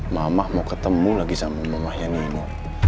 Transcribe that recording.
mamah mau ketemu lagi sama mamahnya nino